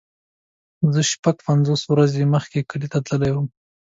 زه شپږ پنځوس ورځې مخکې کلی ته تللی وم.